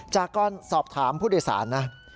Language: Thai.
จากการสอบถามผู้โดยสารนะ